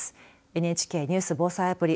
ＮＨＫニュース・防災アプリ